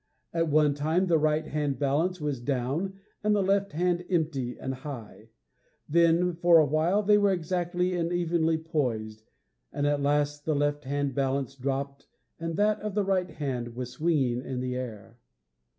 At one time the right hand balance was down and the left hand empty and high; then for awhile they were exactly and evenly poised; and, at the last, the left hand balance dropped and that on the right hand was swinging in the air.